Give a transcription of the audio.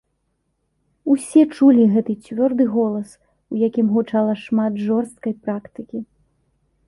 Усе чулі гэты цвёрды голас, у якім гучала шмат жорсткай практыкі.